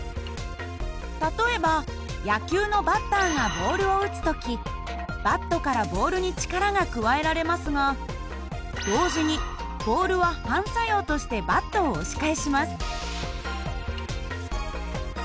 例えば野球のバッターがボールを打つ時バットからボールに力が加えられますが同時にボールは反作用としてバットを押し返します。